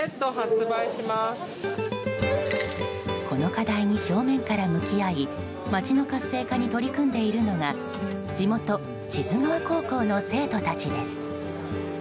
この課題に正面から向き合い町の活性化に取り組んでいるのが地元・志津川高校の生徒たちです。